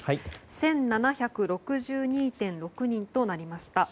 １７６２．６人となりました。